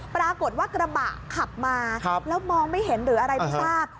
ปรากฏว่ากระบะขับมาแล้วมองไม่เห็นหรืออะไรไม่ทราบ